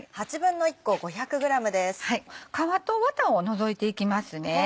皮とワタを除いていきますね。